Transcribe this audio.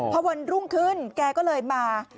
พอวันรุ่งขึ้นแกก็เลยมา